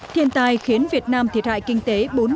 thiên tai khiến việt nam thiệt hại kinh tế